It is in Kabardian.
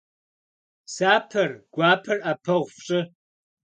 Псапэр, гуапэр Iэпэгъу фщIы.